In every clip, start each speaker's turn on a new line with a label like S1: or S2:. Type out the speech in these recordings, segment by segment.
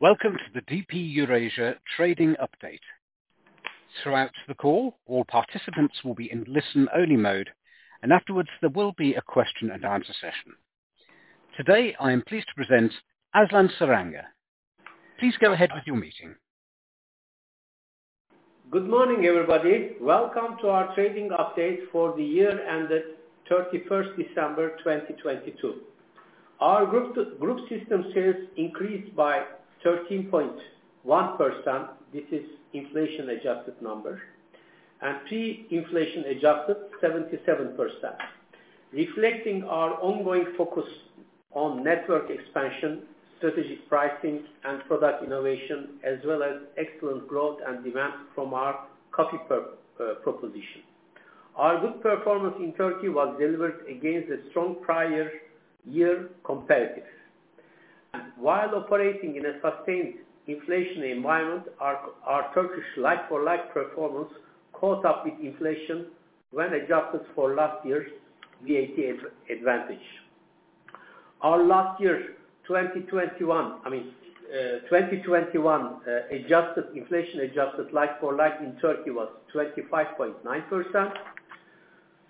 S1: Welcome to the DP Eurasia Trading Update. Throughout the call, all participants will be in listen-only mode. Afterwards, there will be a question and answer session. Today, I am pleased to present Aslan Saranga. Please go ahead with your meeting.
S2: Good morning, everybody. Welcome to our trading update for the year ended 31st December 2022. Our group system sales increased by 13.1%. This is inflation-adjusted number. Pre-inflation-adjusted, 77%. Reflecting our ongoing focus on network expansion, strategic pricing, and product innovation, as well as excellent growth and demand from our coffee proposition. Our good performance in Turkey was delivered against a strong prior year comparatives. While operating in a sustained inflation environment, our Turkish like-for-like performance caught up with inflation when adjusted for last year's VAT advantage. Our last year, 2021, I mean, 2021, inflation-adjusted like-for-like in Turkey was 25.9%.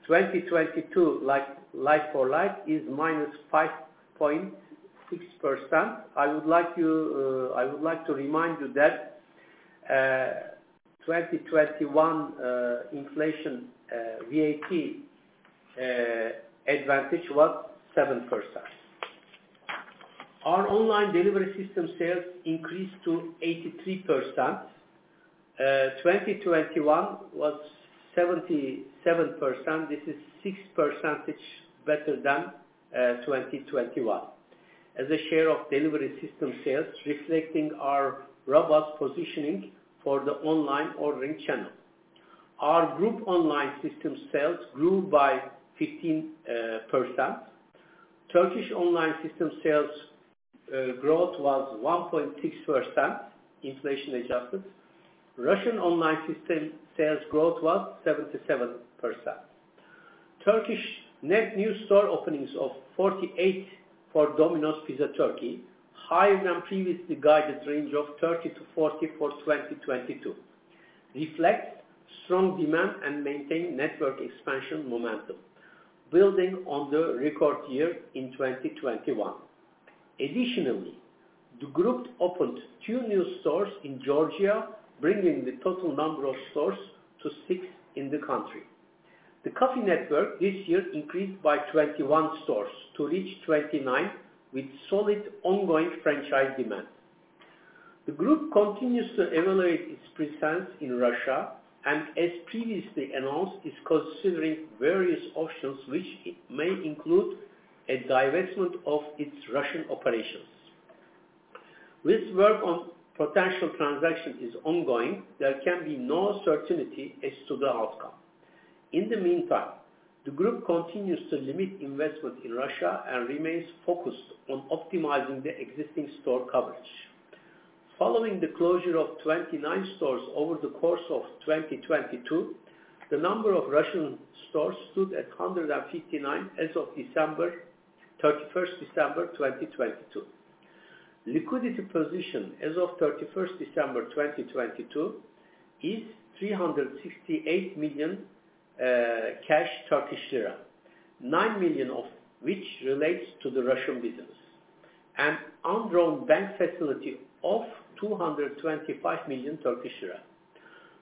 S2: 2022 like-for-like is -5.6%. I would like to remind you that 2021 inflation VAT advantage was 7%. Our online delivery system sales increased to 83%. 2021 was 77%. This is 6 percentage better than 2021. As a share of delivery system sales reflecting our robust positioning for the online ordering channel. Our group online system sales grew by 15%. Turkish online system sales growth was 1.6% inflation-adjusted. Russian online system sales growth was 77%. Turkish net new store openings of 48 for Domino's Pizza Turkey, higher than previously guided range of 30-40 for 2022, reflects strong demand and maintain network expansion momentum, building on the record year in 2021. Additionally, the group opened two new stores in Georgia, bringing the total number of stores to six in the country. The coffee network this year increased by 21 stores to reach 29 with solid ongoing franchise demand. The group continues to evaluate its presence in Russia and as previously announced, is considering various options which may include a divestment of its Russian operations. This work on potential transaction is ongoing. There can be no certainty as to the outcome. In the meantime, the group continues to limit investment in Russia and remains focused on optimizing the existing store coverage. Following the closure of 29 stores over the course of 2022, the number of Russian stores stood at 159 as of December, 31st December 2022. Liquidity position as of 31st December 2022 is 368 million cash, Turkish lira 9 million of which relates to the Russian business, and undrawn bank facility of 225 million Turkish lira.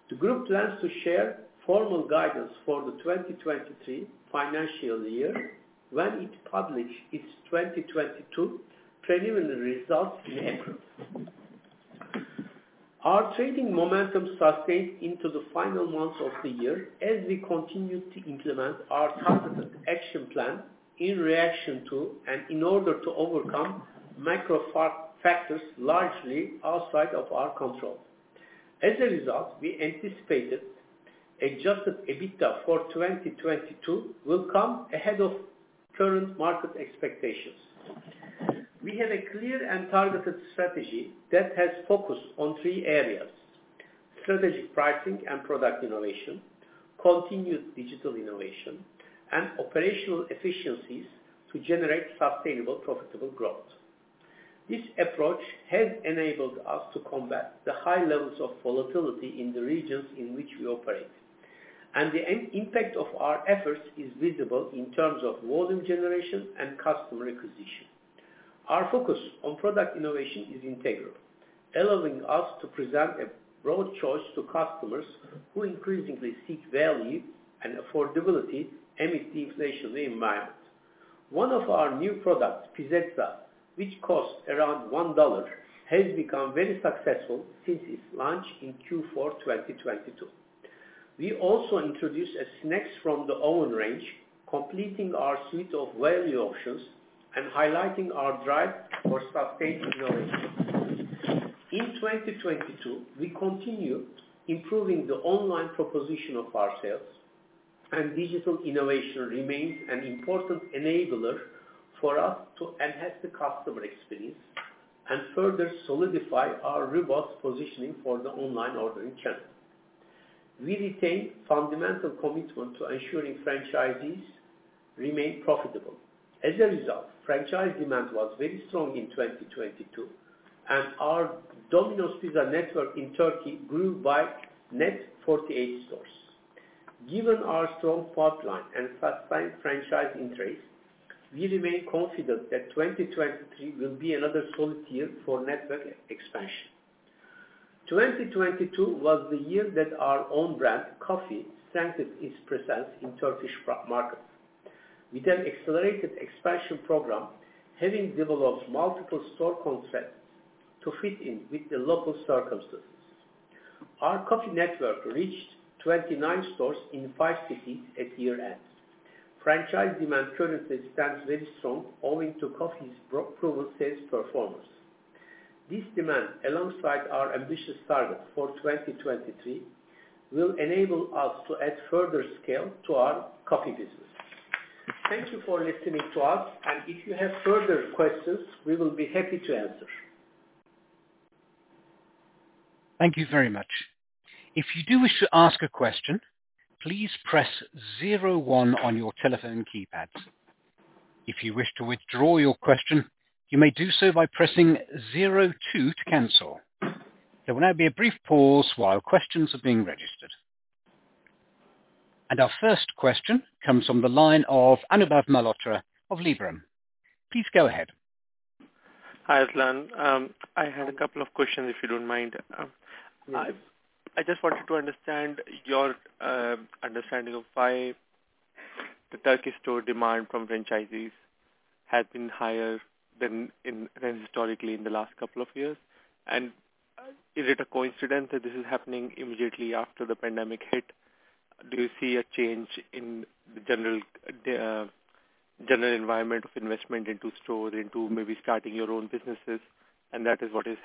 S2: The group plans to share formal guidance for the 2023 financial year when it publish its 2022 preliminary results in April. Our trading momentum sustained into the final months of the year as we continued to implement our targeted action plan in reaction to, and in order to overcome micro factors largely outside of our control. As a result, we anticipated adjusted EBITDA for 2022 will come ahead of current market expectations. We have a clear and targeted strategy that has focused on three areas: strategic pricing and product innovation, continued digital innovation, and operational efficiencies to generate sustainable profitable growth. This approach has enabled us to combat the high levels of volatility in the regions in which we operate. The impact of our efforts is visible in terms of volume generation and customer acquisition. Our focus on product innovation is integral, allowing us to present a broad choice to customers who increasingly seek value and affordability amid the inflation environment. One of our new products, Pizzetta, which costs around $1, has become very successful since its launch in Q4 2022. We also introduced a Snacks from the Oven range, completing our suite of value options and highlighting our drive for sustained innovation. In 2022, we continue improving the online proposition of our sales. Digital innovation remains an important enabler for us to enhance the customer experience and further solidify our robust positioning for the online ordering channel. We retain fundamental commitment to ensuring franchisees remain profitable. As a result, franchise demand was very strong in 2022. Our Domino's Pizza network in Turkey grew by net 48 stores. Given our strong pipeline and satisfying franchise interest, we remain confident that 2023 will be another solid year for network expansion. 2022 was the year that our own brand, COFFY, strengthened its presence in Turkish markets. With an accelerated expansion program, having developed multiple store concepts to fit in with the local circumstances. Our COFFY network reached 29 stores in five cities at year-end. Franchise demand currently stands very strong owing to COFFY's proven sales performance. This demand, alongside our ambitious targets for 2023, will enable us to add further scale to our COFFY business. Thank you for listening to us. If you have further questions, we will be happy to answer.
S1: Thank you very much. If you do wish to ask a question, please press 01 on your telephone keypads. If you wish to withdraw your question, you may do so by pressing 02 to cancel. There will now be a brief pause while questions are being registered. Our first question comes from the line of Anubhav Malhotra of Liberum.Please go ahead.
S3: Hi, Aslan. I have a couple of questions if you don't mind.
S2: Yeah.
S3: I just wanted to understand your understanding of why the Turkey store demand from franchisees has been higher than historically in the last couple of years. Is it a coincidence that this is happening immediately after the pandemic hit? Do you see a change in the general environment of investment into store, into maybe starting your own businesses, and that is what is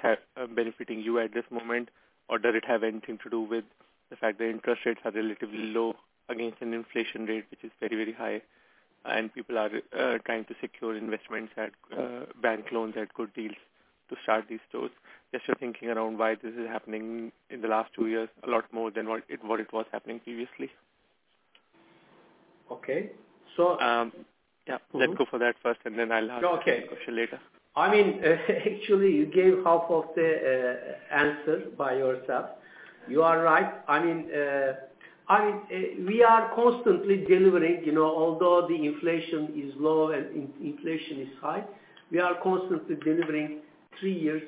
S3: benefiting you at this moment? Does it have anything to do with the fact the interest rates are relatively low against an inflation rate, which is very high, and people are trying to secure investments at bank loans at good deals to start these stores? Just your thinking around why this is happening in the last two years, a lot more than what it was happening previously?
S2: Okay.
S3: Yeah. Let's go for that first, and then I'll ask the second question later.
S2: Okay. I mean, actually, you gave half of the answer by yourself. You are right. I mean, I mean, we are constantly delivering. You know, although the inflation is low and inflation is high, we are constantly delivering 3 years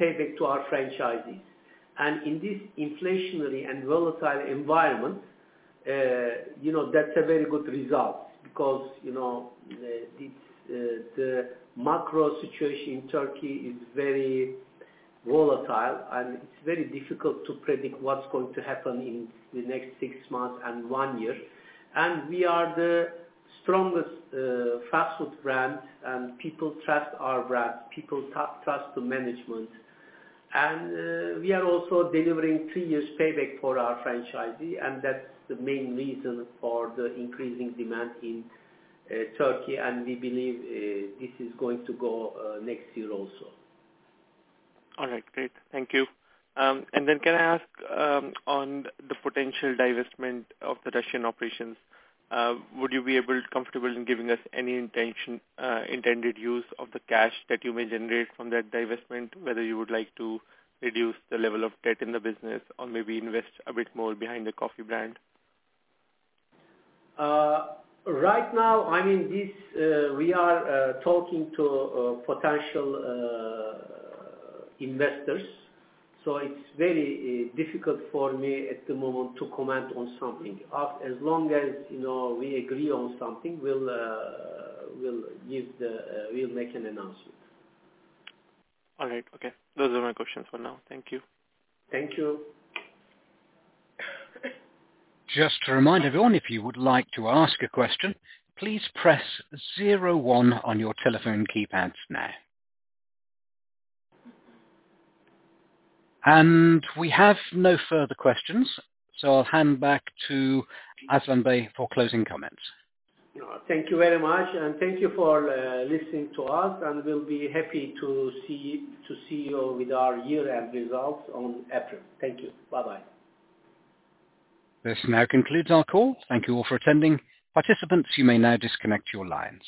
S2: payback to our franchisees. In this inflationary and volatile environment, you know, that's a very good result because, you know, it's the macro situation in Turkey is very volatile, and it's very difficult to predict what's going to happen in the next 6 months and 1 year. We are the strongest fast food brand, and people trust our brand, people trust the management. We are also delivering 3 years payback for our franchisee, and that's the main reason for the increasing demand in Turkey. We believe this is going to go next year also.
S3: All right. Great. Thank you. Then can I ask on the potential divestment of the Russian operations, would you be comfortable in giving us any intention, intended use of the cash that you may generate from that divestment, whether you would like to reduce the level of debt in the business or maybe invest a bit more behind the COFFY brand?
S2: Right now, I mean, this, we are talking to potential investors. It's very difficult for me at the moment to comment on something. As long as, you know, we agree on something, we'll make an announcement.
S3: All right. Okay. Those are my questions for now. Thank you.
S2: Thank you.
S1: Just to remind everyone, if you would like to ask a question, please press zero one on your telephone keypads now. We have no further questions, so I'll hand back to Aslanbey for closing comments.
S2: Thank you very much. And thank you for listening to us, and we'll be happy to see you with our year-end results on April. Thank you. Bye-bye.
S1: This now concludes our call. Thank you all for attending. Participants, you may now disconnect your lines.